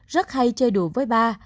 rất hay chơi đùa với ba